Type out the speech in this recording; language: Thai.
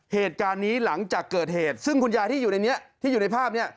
เหตุการณ์นี้หลังจากเกิดเหตุซึ่งคุณยายที่อยู่ในภาพนี้